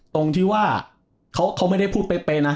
ตรงที่ว่าเขาไม่ได้พูดเป๊ะนะ